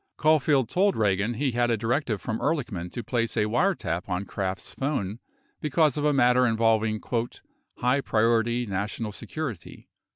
Caulfield told Ragan he had a directive from Ehrlichman to place a wiretap on Kraft's phone because of a matter involving "high priority national security."